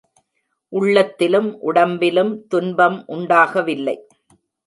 உள்ளத்திலும், உடம்பிலும் துன்பம் உண்டாகவில்லை.